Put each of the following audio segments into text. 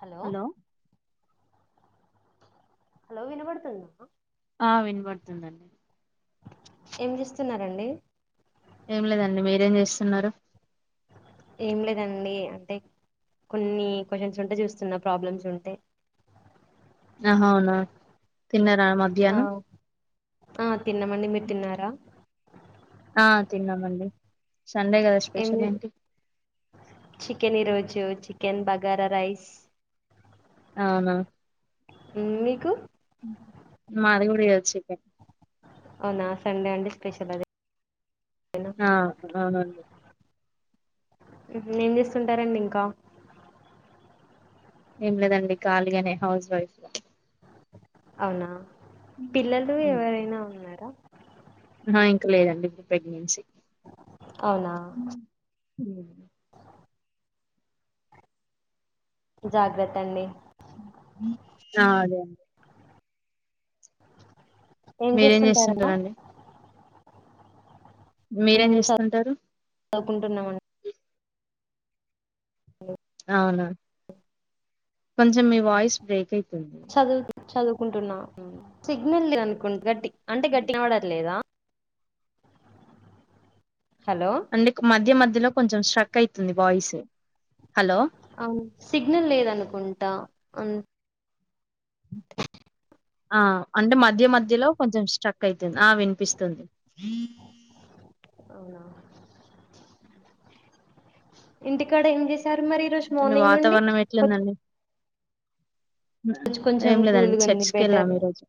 Hello hello వినబడుతుంద ఆ వినపడుతుందండి ఏం చేస్తున్నండి ఏం లేదండి మీరేం చేస్తున్నారు ఏం లేదండి అంటే కొన్ని క్వ్చన్స్ ఉంటే చూస్తున్నా ప్రాబ్లమ్స్ ఉంటే. ఆ అవునా తిన్న ఆ ఆ తిన్నమండి మీర్ తిన్నారా తిన్నమండీ సండే గద ఏం స్పెషల్ ఏంటీ చికెన్ ఈరోజు చికెన్ బగార రైస్ అనా ఊం మీకు మాది గుడ ఈ రోజు చికెన్ అవునా సండే అంటే స్పెషల్ అదే ఆ అవునండి ఉహు ఏం చేస్తుంటారండి ఇంకా ఏం లేదండీ కాలిగనే హౌస్ వైఫ్ అవునా పిల్లలు ఎవరైనా ఉన్నరా అంహ ఇంక లేదండి ఇప్పుడు ప్రెగ్నెన్సీ. అవునా ఉం జాగ్రత్తండీ ఆ అదె అదే ఏం మీరేఎం చేస్తుంటారమ్మా చేస్తుంటరండీ మీరేం మేము జేస్తుంటారు చదువుకుంటున్నామండి అ అవునా కొంచెం మీ వాయ్స్ బ్రేక్ అయితొ చదువుతూ చదువుకుంటున్నా సిగ్నల్ లేద్ అనుకుం గట్టి అంటే గట్టిగినవడట్లేదా హలో అండి మధ్య మధ్యలో కొంచెం స్టక్ కైతుంది వాయిస్ హలో ఆమ్ సిగ్నల్ లేదనుకుంటా అన్ ఆ అంటే మధ్య మధ్యలో కొంచెం స్ట్రక్ అయితుంది ఆ వినిపిస్తుంది ఇంటికాడ ఏం జేస్ సార్ మరి ఈరోజు కానీ మార్నింగ్ నుండి వాతావరణం ఎట్లుందండి రోజ్ కొంచెం ఏం లేదండి కూల్గుంది చర్చికి బెటర్ వెళ్ళాము ఈరోజు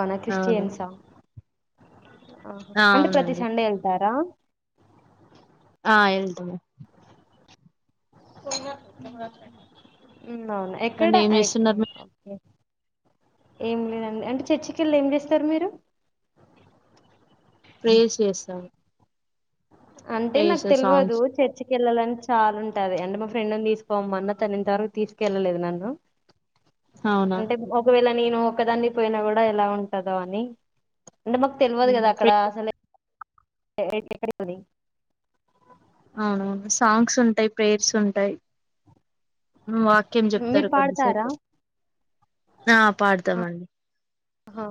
ఔన అవును క్రిస్టియన్సా ఆ అంటే ప్రతి సండే యెళ్తారా ఆ ఎల్థం అవునా ఎక్కడ రండి ఏం ఏక్ చేస్తున్నారు మీరు ఓకే ఏం లేదండి అంటే చర్చికిల్లీ ఏం చెస్తారు మీరు ప్రేయర్ చేస్తాము అంటే నాకు ప్రేయర్స్ తెలియదు సాంగ్స్ చర్చికి వెళ్ళాలని చాలా ఉంటది అంటే మా ఫ్రెండ్ ని తీసుకోమ్మన్న తను ఇంతవరకు తీసుకెళ్ళలేదు నన్ను అవునా అంటే ఒకవేళ నేను ఒకదాన్ని పోయిన కూడా ఎలా ఉంటదో అని అంటే మాకు తెలువదు హ్మ్. కదా అక్కడ ప్రే అసలే ఏ ఎక్కడంది అవునవును సాంగ్స్ ఉంటాయి ప్రేర్స్ ఉంటాయి వాక్యం మీరు చెప్తారు పాడతారా కొద్దిసేపు ఆ పాడతామండి ఆ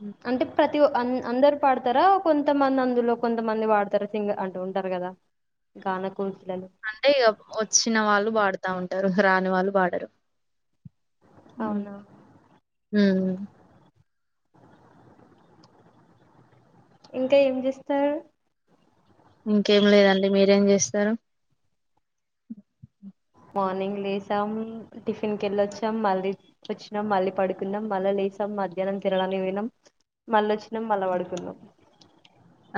హ్మ్. అంటే ప్రతి అన్ అందరు పాడతారా కొంతమంది అందులో కొంతమంది పాడతారా సింగర్ అంటూ ఉంటారు కదా కన అంటే ఇక వచ్చిన వాళ్ళు వాడుతా ఉంటారు రాని వాళ్ళు పాడరు అవునా హ ఇంకా ఏం చేస్తారు ఇంకేం లేదండి మీరేం చేస్తారు మార్నింగ్ లేసాం టిఫిన్ కి వెళ్ళొచ్చాం మళ్ళీ వచ్చినాం మళ్ళీ పడుకున్నాం మళ్ళా లేసాం మధ్యాహ్నం తినడానికి పోయినం మళ్ళీ వచ్చినాం మళ్ళా పడుకున్నాం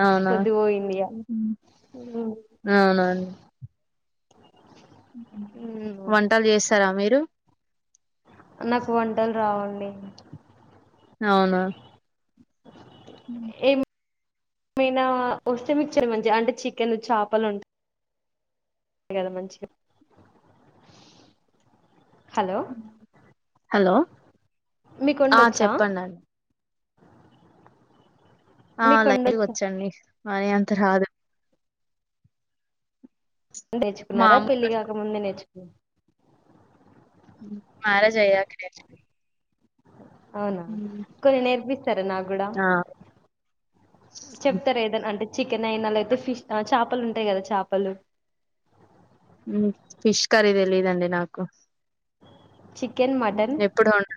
అవునా పొద్దు పోయింది అవున ఇగ వంటలు చేస్తారా మీరు నాకు వంటలు రావండి అవునా ఉ మయినా వస్తే మంచి అంటే చికెన్ చేపలు ఉంటా అదే కదా మంచిగ హలో మీకు ఆ వండొచ్చా చెప్పండి అం ఆ మీకు [unintelligible] వండొచ్చా వచ్చండి మరి అంత రాదు నేర్చుకున్నార మామూలు పెళ్లి కాక ముందే నేర్చుకు ఓ మ్యారేజ్ అయ్యాకే నేర్చుకో అవునా కొన్ని నేర్పిస్తారా నాక్కూడా ఆ చెప్తారా ఏదనా అంటే చికెన్ అయిన లేతే ఫిష్ ఆ చేపలు ఉంటాయి కదా చేపలు హ్మ్ ఫిష్ కర్రీ తెలిదండి నాకు చికెన్ మటన్ ఎప్పుడు వండ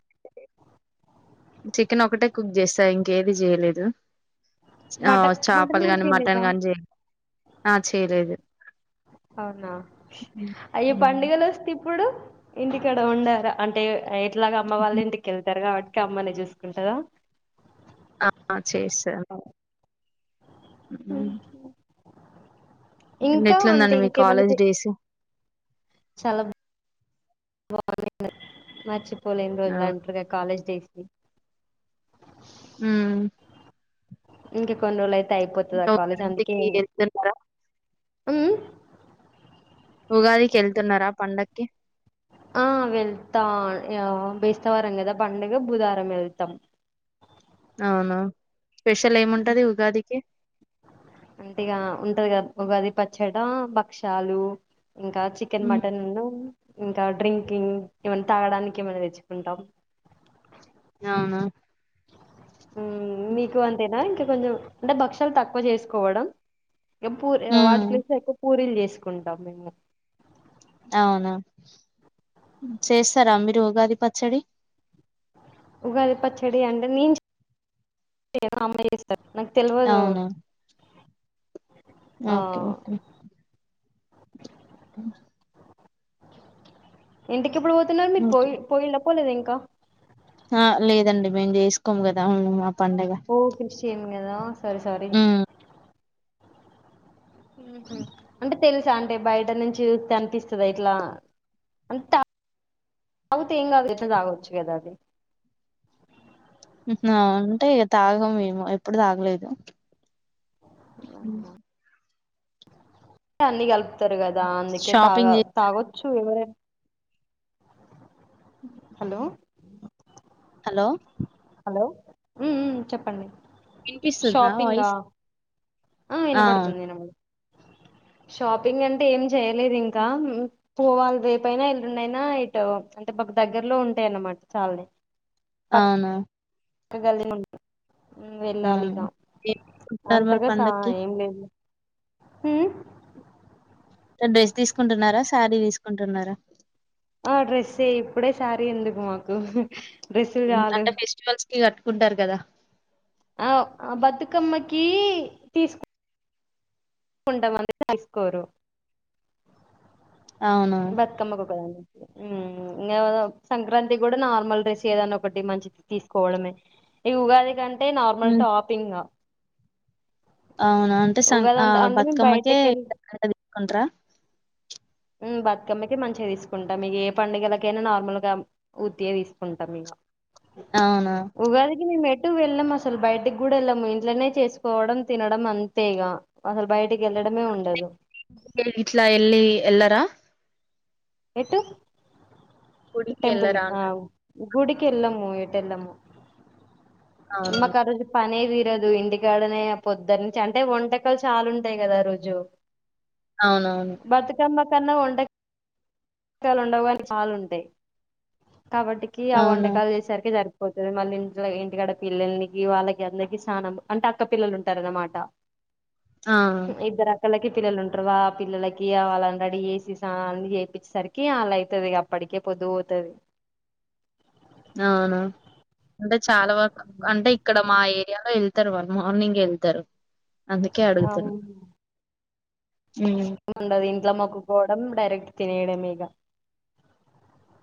చికెన్ ఒకటే కుక్ చేస్తా. ఇంకేది చేయలేదు. ఆ మటన్ మటన్ చేపలు కూడా గాని చేయలేదా మటన్ గాని చేయను. ఆ చేయలేదు. అవునా. హ్మ్. అయ్య హ్మ్. పండుగలు వస్తే ఇప్పుడు ఇంటికాడ వండార అంటే ఎలాగ అమ్మ వాళ్ళ ఇంటికెళ్తారు కాబట్టి. ఇక అమ్మనే చూసుకుంటదా. అమ్మ చేసారు. హ్మ్ ఇంకా అంటే ఎట్లుందండి మీ ఇంకేమన్నా కాలేజ్ చే డేస్ చాలా బాగుంది మర్చిపో పోలేని ఆ రోజులు అంటారుగా కాలేజ్ టేస్టీ హ్మ్ ఇంక కొన్ని రోజులైతే తొమ్మిదింటికి వెళ్తున్నారా హ్మ్ ఉగాదికి వెళ్తున్నారా పండక్కి ఆ వెళ్తా ఆ బేస్తవారం కదా, పండుగ బుధవారం వెళ్తాం. అవునా స్పెషల్ ఏముంటది ఉగాదికి. ఉంటదిగా ఉగాది పచ్చడా, భక్షాలు ఇంకా చికెన్, ఉమ్ మటన్ను ఇంకా డ్రింకింగ్ ఏమన్నా తాగడానికి ఏమన్నా తెచ్చుకుంటాం. అవునా. మ్మ్ మీకు అంతేనా ఇంకెమన్నా అంటే బక్షాలు తక్కువ చేసుకోవడం. ఎ పూరి ఉమ్ వాటి ప్లేస్ లో ఎక్కువ పూరిలు చేస్ కుంటాం మేము అవునా. చేస్తారా మీరు ఉగాది పచ్చడి. ఉగాది పచ్చడి అంటే నేను చే యను అమ్మే చేస్తారు. నాకు తెల్వదు. అవునా ఆ ఓకే ఓకే. ఇంటి ఇంటికి ఎప్పుడు పోతున్నారు మీరు ఓకే పోయి పోయిల పోలేదా ఇంకా ఆ లేదండి మేము చేసుకోము కదా. పండగ ఓ క్రిస్టియన్ కదా సారీ సారీ ఉమ్ ఊహు అంటే తెలుసా అంటే బయట నుంచి చూస్తే అనిపిస్తద ఇట్లా అంత తాగుతే ఏం కాదు ఎట్లా తాగచ్చు కదా అది హూ మ్మ్ అంటే ఇగ తాగేమోమో ఎప్పుడు తాగలేదు హ్మ్. అహా అన్నీ కల్ప్ తరుగదా అందుకే తాగా షాపింగ్ చే తాగో చ్చు ఎవరై హలో హలో హలో ఉ ఉం చెప్పండి ఇనిపిస్తుందా షాపింగా వాయిస్ ఆ ఇనబడుతుంది ఇనబడు షాపింగ్ అంటే ఏం చేయలేదు ఇంకా పోవాలి రేపైనా ఎల్లుండి అయినా ఇటు అంటే మాకు దగ్గరలో ఉంటాయిన్నమాట చాల్నే అవునా పక్క గల్లి లో ఉంటాయి ఉమ్ అవును వెళ్ళాలిగా కుంటున్నారు మరి అంతగా సా పండక్కి ఏం లేదులే హు అంటే డ్రస్ తీసుకుంటున్నారా శారీ తీసుకుంటున్నారా ఆ డ్రెస్సే ఇప్పుడే సారీ ఎందుకు మాకు డ్రెస్సులు చాలు అంటే ఫెస్టివల్స్ కి కట్టుకుంటారు కదా ఆ ఆ బతుకమ్మకి తీసు కుంటం అందుకే తీసుకోరు అవునా బతుకమ్మకు ఒక్కదానికే ఉం ఇంకా సంక్రాంతి కూడా నార్మల్ డ్రెస్ ఏదన్నా ఒకటి మంచిది తీసుకోవడమే ఈ ఉగాది కం నార్మల్ హ్మ్. టాప్ ఇంగా అవునా అంటే సం ఉగాది ఆ అంత ఆ అంటే మేము బతుకమ్మకె బయటకి వెళ్ళి గంట తీసుకుంట్ ఉం బతుకమ్మకి మంచిగా తీసుకుంటాం మీక ఏ పండుగలకైనా నార్మల్ గా ఉత్తిగా తీసుకుంటాం ఇగ అవునా? ఉగాదికి మీ మే ఎటు వెళ్ళం అసలు బయటికి గుడా వెళ్ళాము ఇంట్లనే చేసుకోవడం తినడం అంతేఇగ అసలు బయటికి వెళ్ళడమే ఉండదు ఇట్లా ఎల్లి ఎలార ఎటు గుడికి టెంపుల్ ఎళ్ళరా ఆ అంట గుడికి ఎలమూ ఇట ఎలమో అవును. మాకా రోజు పనిది లేదు ఇంటికాడనే పొద్దున్న నుంచి అంటే వంటకాలు చాలా ఉంటాయి కదా ఆ రోజు అవునవును. బతుకమ్మ కన్న ఉండ పుకాలు ఉండవునికి పాలుంటాయి కాబట్టికి ఆ అవునా? వంటకాలు చేసరికి జరుగుయి తుంది మళ్ళీ ఇంట్ ఇంటికాడ పిల్లకి వాళ్ళకి అందరిక స్నానం అంటే అక్కపిల్లలు ఉంటారు అనమాట ఆ పక్కళ్ళకి పిల్లలు ఉంటారువా పిల్లలకి వాళ్ళని రేడీ చేసి అ చేయిించే సరికి కి అలా అవుతుది అప్పటికే పొదు పోతుది అవునా అంటే చాలా వర అంటే ఇక్కడ మాయ ఎలో వెళ్తారు వన్ మార్నింగ్ వెళ్తారు అందుకే అడుగుతు ఉండదిని ల మొకుపోవడం డైరక్ట్ తినేడ మీేగా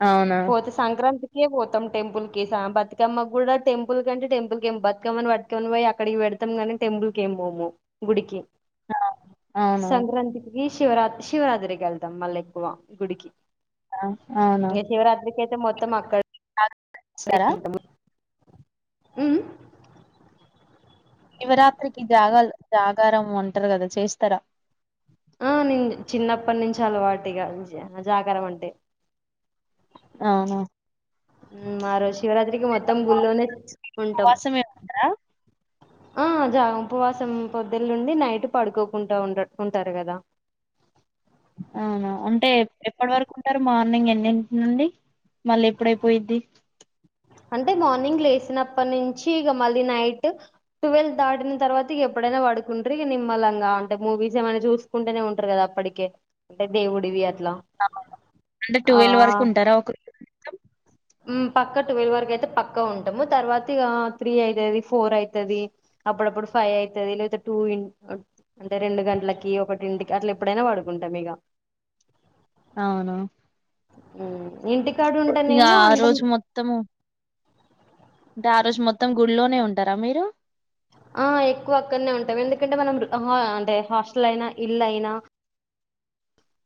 అవునా? పోతే సంక్రాంతి పోతాం టెంపుల్ కి బతుకమ్మ కూడా టెంపుల్ కంటే టెంపుల్ క ఏ బతుకమ్మని బతుకమ్మని పోయి అక్కడికి పెడతాం కానీ టెంపుల్ క ఏమ పోము గుడికి అవునా? సంక్రాంతి శివరా శివరాత్రికి వెళ్తాం మళ్ళీ ఎక్కువ గుడికి ఆ అవునా ఎందుకైతే మొత్తం అక్కడ అప్పుడే చేస్తారా? ఉంటామా హ్మ్ శివరాత్రికి జాగల్ జాగారం ఉంటారు కదా చేస్తారా ఆ నేన్ చిన్నప్పటి నుంచి అలవాటీగా జాగరం అంటే అవ్నా హ్మ్ ఆ రోజు శివరాత్రికి మొత్తం గుళ్ళోనే ఉంటాం ఉపవాసమే ఉంటారా? ఆ జాగ ఉపవాసం పొద్దులు నుండి నైట్ పడుకోకుంట ఉన్ ఉంటారు కద అవునా అంటే ఎప్పటి వరకు ఉంటారు మార్నింగ్ ఎన్నింటి నుండి మల్లేప్పుడైపోయిద్ది అంటే మార్నింగ్ లేసినప్పటి నుంచి ఇక మళ్ళీ నైట్ టువెల్ దాటిన తర్వాత ఇక ఎప్పుడైనా పడుకుంటారు. ఇక నిమ్మలంగా అంటే మూవీస్ ఏమైనా చూసుకుంటేనే ఉంటారు. కదా అప్పటికే అంటే దేవుడివి అట్లా అంటే ఆ టువెల్వ్ వరకు ఉంటారా ఒక మొత్తం? హ్మ్ పక్క ట్వెల్వ్ వరకు అయితే పక్క ఉంటాము. తర్వాత ఇక త్రీ అయితది ఫోర్ అయితది అప్పుడప్పుడు ఫైవ్ అయితది లేద టూ ఇ అంటే రెండు గంటలకి ఒకటింటికి అట్లా ఎప్పుడైనా పడుకుంటాం ఇగా అవును హ్మ్ ఇంటికాడ్ ఉం ఇగా ఆ రోజు మొత్తము అంటే ఆ రోజు మొత్తం గుడిలోనే ఉంటారా మీరు ఆ ఎక్కువ అక్కడనే ఉంటాం ఎందుకంటే మనం ఆ అంటే హాస్టల్ అయినా ఇల్ అయినా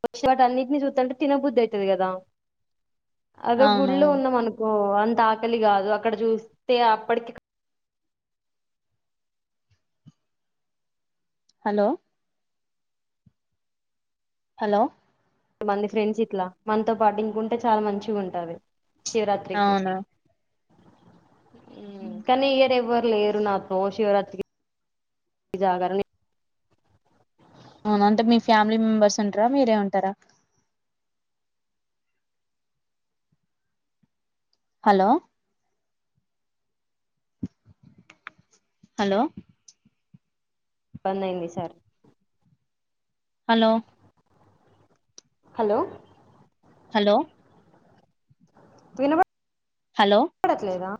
వచ్చి వాటి అన్నిటిని చూస్తంటే తినబుద్ధి అయితది కదా అదో గుళ్ళో అవునవును ఉందమనకో తకలి కాదు అక్కడ చూస్తే అప్పటికి హలో హలో మంది ఫ్రెండ్స్ ఇట్లా మనతో పాటు ఇంకుంటే చాలా మంచిగా ఉంటాంది. శివరాత్రికి అవునా ఉ కనీ ఈ ఇయర్ ఎవర్ లేర్ నా ప్రో శివరాత్రికి జాగారం నే అవున అంటే మీ ఫ్యామిలీ మెంబెర్స్ ఉంటరా మీరే ఉంటారా హలో హలో ఇబ్బంది అయింది ఈ సారిక్ హలో హలో హలో వినబడ్ హలో న్పడలేదా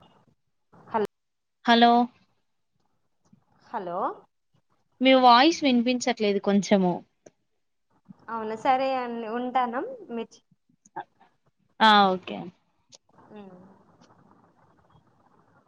హల్ హలో హలో మీ వాయిస్ వినిపించట్లేదు కొంచెము అవునా సరే అండి ఉంటాను మీర్చి ఆ ఓకే ఉ